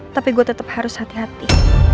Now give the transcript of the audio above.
tapi gue tetap harus hati hati